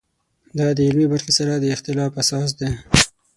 دا د علمي برخې سره د اختلاف اساس دی.